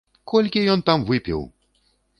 Колькі ён там выпіў!